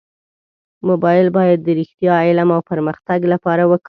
موبایل باید د رښتیا، علم او پرمختګ لپاره وکارېږي.